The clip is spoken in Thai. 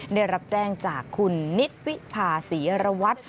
ได้รับแจ้งจากคุณนิตวิผ่าศรีอรวรรษ